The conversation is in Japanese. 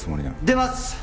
出ます！